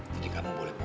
jadi kamu boleh pupuk